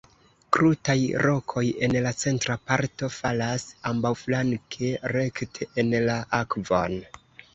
Krutaj rokoj en la centra parto falas ambaŭflanke rekte en la akvon.